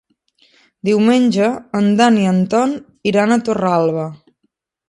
Diumenge en Dan i en Ton iran a Torralba.